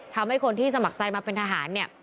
ทำให้คนที่สมัครใจมาเป็นทหารเนี่ย